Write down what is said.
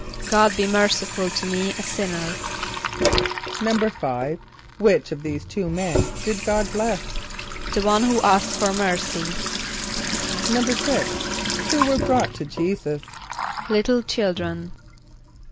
="God be merciful to me a sinner."= =5.= Which of these two men did God bless? =The one who asked for mercy.= =6.= Who were brought to J[=e]´[s+]us? =Little children.